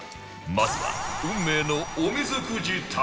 まずは運命の